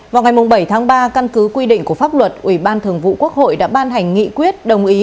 vào ngày bảy tháng ba căn cứ quy định của pháp luật ủy ban thường vụ quốc hội đã ban hành nghị quyết